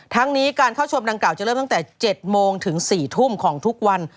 ทั้งนี้การเข้าชมดังกล่าจะเริ่มตั้งแต่๗โมงถึง๔ทุ่มของทุกวัน